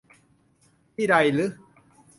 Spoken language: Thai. ที่ใดรึ ?